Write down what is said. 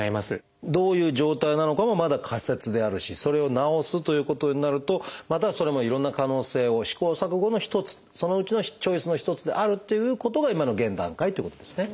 どういう状態なのかもまだ仮説であるしそれを治すということになるとまたそれもいろんな可能性を試行錯誤の一つそのうちのチョイスの一つであるっていうことが今の現段階っていうことですね。